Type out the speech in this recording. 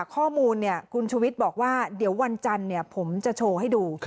ข้อมูลคุณชุวิตบอกว่าเดี๋ยววันจันทร์ผมจะโชว์ให้ดู